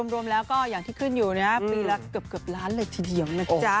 รวมแล้วก็อย่างที่ขึ้นอยู่ปีละเกือบล้านเลยทีเดียวนะจ๊ะ